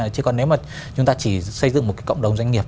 chứ còn nếu mà chúng ta chỉ xây dựng một cái cộng đồng doanh nghiệp